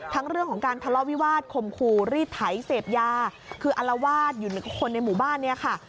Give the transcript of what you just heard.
เรื่องของการทะเลาะวิวาสคมคูรีดไถเสพยาคืออลวาดอยู่ในคนในหมู่บ้านเนี่ยค่ะ